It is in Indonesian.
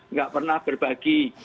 nggak pernah berbagi